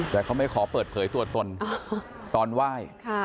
กลัวเขาไม่ไหว้ขอเปิดเพยตัวตนตอนไหว้